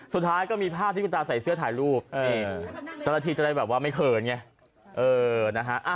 สุดท้ายก็มีผ้าที่คุณตาใส่เสื้อถ่ายรูปแต่ละทีจะได้ไม่เขิน